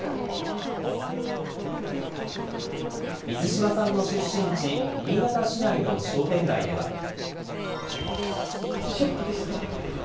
水島さんの出身地、新潟市内の商店街では。